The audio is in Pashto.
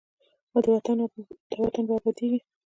دا وطن به ابادیږي.